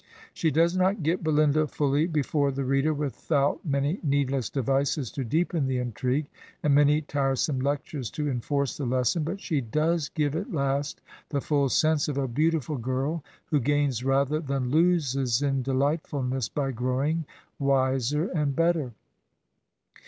She does not get Belinda fully before the reader without many needless devices to deepen the intrigue, and many tiresome lectures to en force the lesson, but she does give at last the full sense of a beautiful girl who gains rather than loses in de lightfulness by growing wiser and better.